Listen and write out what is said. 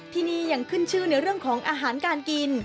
ที่นี่ยังขึ้นชื่อในเรื่องของอาหารการกิน